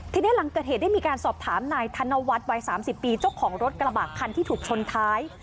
ทีนี้หลังเกิดเหตุได้มีการสอบถามนายธนวัฒน์วัย๓๐ปีเจ้าของรถกระบะคันที่ถูกชนท้าย